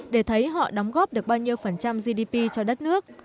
để thấy họ đóng góp được bao nhiêu phần trăm gdp cho đất nước